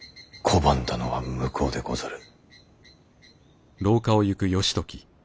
拒んだのは向こうでござる。